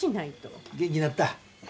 元気になった？